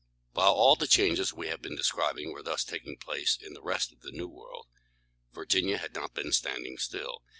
While all the changes we have been describing were thus taking place in the rest of the New World, Virginia had not been standing still.